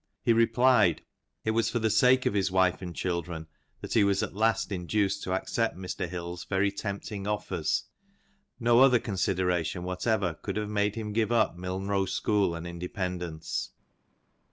He replied, it was for the sake of his wife and children that he was at last induced to accept Mr. Hill's very tempting offers ; no other consideration whatever could have made him give up Milnrow school and independence."